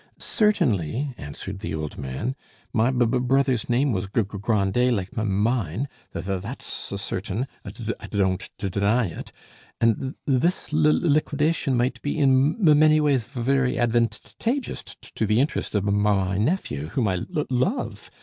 "Certainly," answered the old man, "my b b brother's name was G G Grandet, like m m mine. Th that's c c certain; I d d don't d d deny it. And th th this l l liquidation might be, in m m many ways, v v very advan t t tageous t t to the interests of m m my n n nephew, whom I l l love.